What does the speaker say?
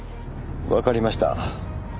わかりました。